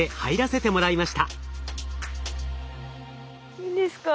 いいんですか？